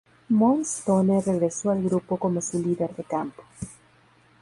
Moonstone regresó al grupo como su líder de campo.